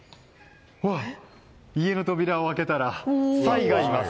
家の扉を開けたらサイがいます。